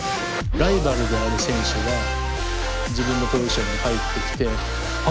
ライバルである選手が自分のポジションに入ってきて。